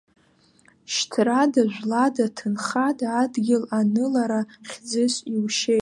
Шьҭрада, жәлада, ҭынхада адгьыл анылара хьӡыс иушьеит!